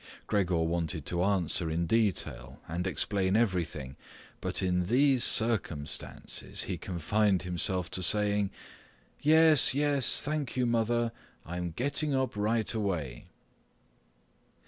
Gregor wanted to answer in detail and explain everything, but in these circumstances he confined himself to saying, "Yes, yes, thank you mother. I'm getting up right away."